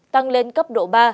tăng lên cấp độ ba